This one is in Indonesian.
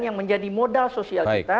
yang menjadi modal sosial kita